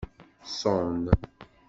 Ṣun.